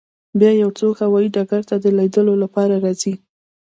بیا یو څوک هوایی ډګر ته د لیدو لپاره راځي